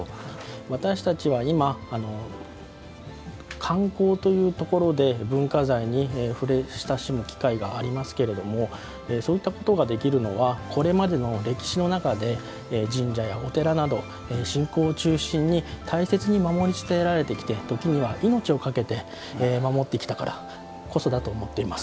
私たちは今、観光というところで文化財に触れ、親しむ機会がありますけれどもそういったことができるのはこれまでの歴史の中で神社やお寺など信仰中心に大切に守り伝えられてきて時には命をかけて守ってきたからこそだと思っています。